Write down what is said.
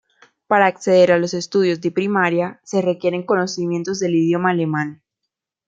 Para acceder a los estudios de primaria, se requieren conocimientos del idioma alemán.